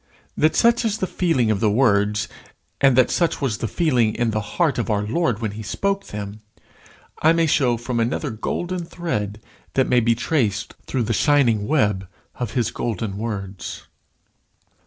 That such is the feeling of the words, and that such was the feeling in the heart of our Lord when he spoke them, I may show from another golden thread that may be traced through the shining web of his golden words.